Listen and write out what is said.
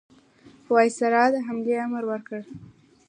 وایسرا د حملې امر ورکړ.